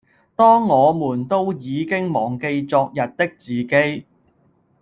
當我們都已經忘記昨日的自己